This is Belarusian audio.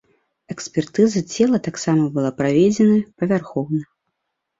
Экспертыза цела таксама была праведзена павярхоўна.